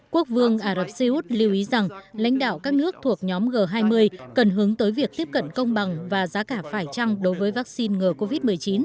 quốc vương arab seyhout lưu ý rằng lãnh đạo các nước thuộc nhóm g hai mươi cần hướng tới việc tiếp cận công bằng và giá cả phải trăng đối với vaccine ngờ covid một mươi chín